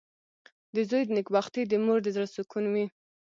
• د زوی نېکبختي د مور د زړۀ سکون وي.